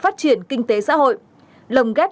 phát triển kinh tế xã hội lồng ghép